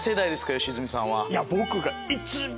良純さんは。